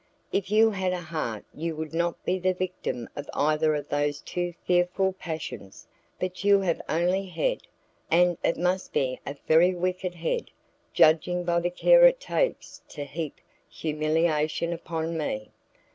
If you had a heart you would not be the victim of either of those two fearful passions, but you have only head, and it must be a very wicked head, judging by the care it takes to heap humiliation upon me.